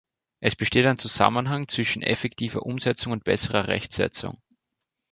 Es besteht ein Zusammenhang zwischen effektiver Umsetzung und besserer Rechtsetzung.